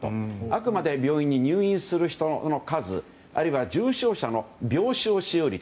あくまで病院に入院する人の数あるいは重症者の病床使用率。